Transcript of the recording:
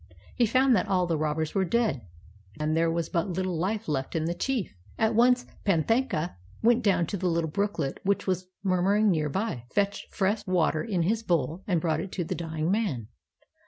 He found that all the robbers were dead, and there was but little life left in the chief. 53 INDIA At once Panthaka went down to the little brooklet which was murmuring near by, fetched fresh water in his bowl and brought it to the d}ing man.